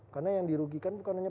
karena yang dirugikan bukan hanya